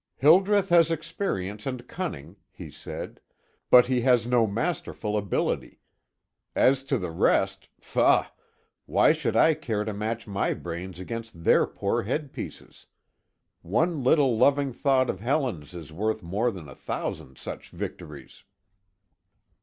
"Hildreth has experience and cunning," he said, "but he has no masterful ability. As to the rest faugh! Why should I care to match my brains against their poor headpieces? One little loving thought of Helen's is worth more than a thousand such victories."